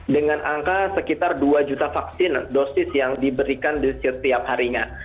dengan angka sekitar dua juta vaksin dosis yang diberikan di setiap harinya